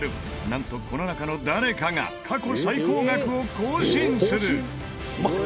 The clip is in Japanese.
なんとこの中の誰かが過去最高額を更新する！